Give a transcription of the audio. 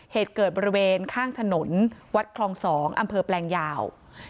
เหตุเกิดบริเวณข้างถนนวัดคลอง๒อำเภอแปลงยาว